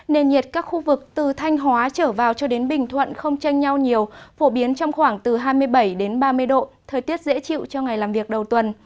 nền nhiệt các khu vực từ thanh hóa trở vào cho đến bình thuận không tranh nhau nhiều phổ biến trong khoảng từ hai mươi bảy đến ba mươi độ